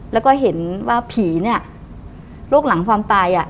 แล้วก็เห็นว่าผีเนี่ยโรคหลังความตายอ่ะ